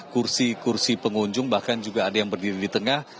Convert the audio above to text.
kursi kursi pengunjung bahkan juga ada yang berdiri di tengah